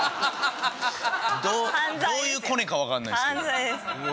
どういうコネかわからないですけど。